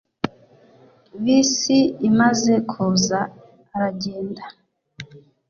Bisi imaze kuza, aragenda